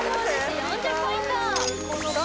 ４０ポイントさあ